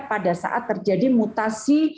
pada saat terjadi mutasi